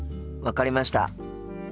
分かりました。